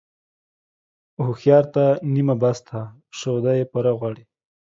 هوښيار ته نيمه بس ده ، شوده يې پوره غواړي.